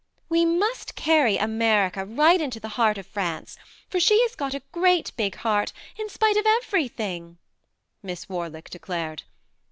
" We must carry America right into the heart of France for she has got a great big heart, in spite of everything" Miss Warlick declared.